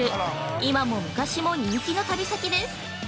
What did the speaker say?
今も昔も人気の旅先です。